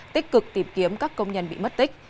tích cực tìm kiếm các công nhân bị mất tích